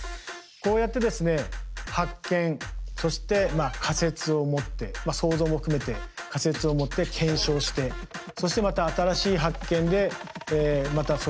こうやってですね発見そして仮説を持って想像も含めて仮説を持って検証してそしてまた新しい発見でまたそれが謎が深まっていく。